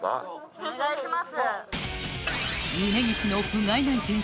お願いします！